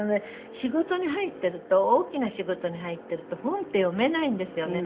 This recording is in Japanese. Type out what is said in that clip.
仕事に入っていると大きな仕事に入っていると本って読めないんですよね。